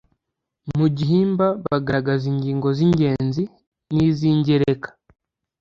Mu gihimba bagaragaza ingingo z’ingenzi n’iz’ingereka